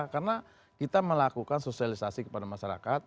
karena kita melakukan sosialisasi kepada masyarakat